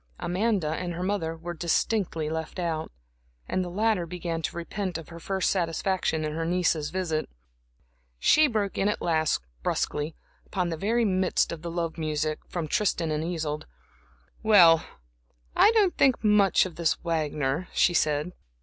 Amanda and her mother were distinctly left out, and the latter began to repent of her first satisfaction in her niece's visit. She broke in at last, brusquely, upon the very midst of the love music from "Tristan and Isolde." "Well, I don't think much of this Wagner," she said.